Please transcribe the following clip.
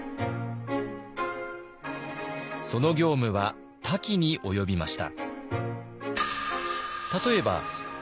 その業務は多岐に及びました。